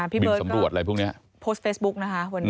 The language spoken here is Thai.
พี่เบิร์ดก็โพสต์เฟซบุ๊กนะคะ